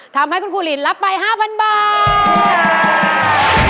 ทำให้คุณครูลินรับไป๕๐๐๐บาท